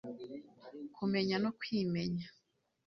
kumenya no kwimenya